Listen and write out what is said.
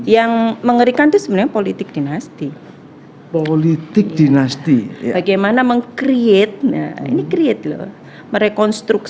yang mengerikan diseneng politik dinasti politik dinasti bagaimana meng create ini create lo